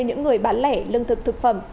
những người bán lẻ lương thực thực phẩm